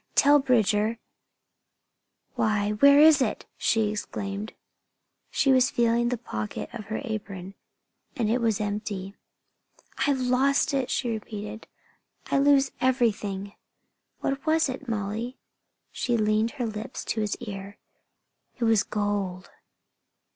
Tell Bridger " "Why, where is it?" she exclaimed. She was feeling in the pocket of her apron, and it was empty. "I've lost it!" she repeated. "I lose everything!" "What was it, Molly?" She leaned her lips to his ear. "It was gold!"